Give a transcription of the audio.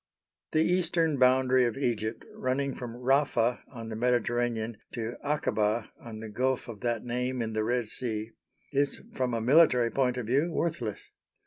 The eastern boundary of Egypt, running from Rafa on the Mediterranean to Akaba on the Gulf of that name in the Red Sea, is, from a military point of view, worthless.